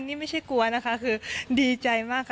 นี่ไม่ใช่กลัวนะคะคือดีใจมากค่ะ